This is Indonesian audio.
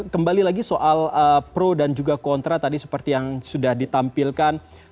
kembali lagi soal pro dan juga kontra tadi seperti yang sudah ditampilkan